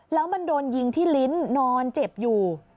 แล้วมันโดนยิงที่ลิ้นนอนเจ็บอยู่